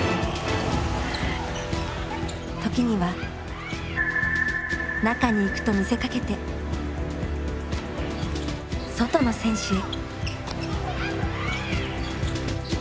時には中に行くと見せかけて外の選手へ。